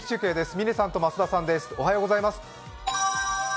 嶺さんと増田さんです。